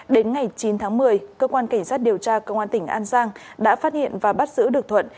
đến ngày chín tháng một mươi cơ quan cảnh sát điều tra công an tỉnh an giang đã phát hiện và bắt giữ được thuận